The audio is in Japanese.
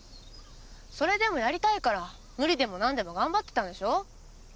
それでもやりたいから無理でも何でも頑張ってたんでしょ？